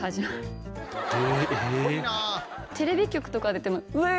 テレビ局とか出ても。